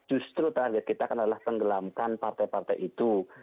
justru target kita kan adalah tenggelamkan partai partai itu